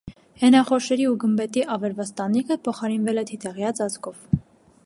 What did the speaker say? Հենախորշերի ու գմբեթի ավերված տանիքը փոխարինվել է թիթեղյա ծածկով։